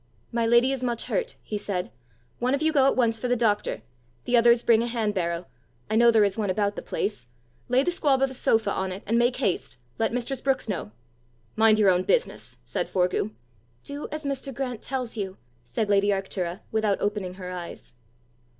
"My lady is much hurt," he said: "one of you go at once for the doctor; the others bring a hand barrow I know there is one about the place. Lay the squab of a sofa on it, and make haste. Let mistress Brookes know." "Mind your own business," said Forgue. "Do as Mr. Grant tells you," said lady Arctura, without opening her eyes.